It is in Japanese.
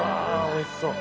おいしそう。